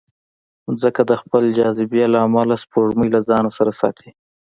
مځکه د خپل جاذبې له امله سپوږمۍ له ځانه سره ساتي.